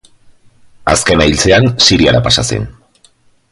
Azkena hiltzean, Siriara pasa zen.